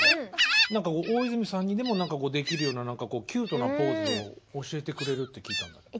何か大泉さんにでもできるようなキュートなポーズを教えてくれるって聞いたんだけど。